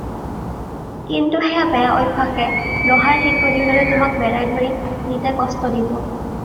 কিন্তু সেই বেয়া অভ্যাসে লোহাৰ শিকলিৰ দৰে তোমাক মেৰাই ধৰি নিতে কষ্ট দিব